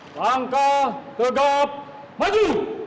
langkah tegap maju